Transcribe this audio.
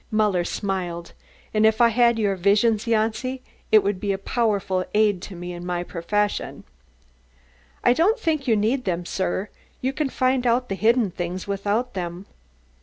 Muller smiled. "And if I had your visions, Janci, it would be a powerful aid to me in my profession." "I don't think you need them, sir. You can find out the hidden things without them.